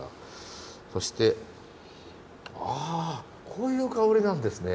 そしてあこういう香りなんですね。